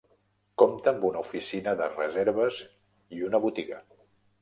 Compta amb una oficina de reserves i una botiga.